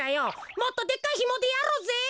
もっとでっかいひもでやろうぜ！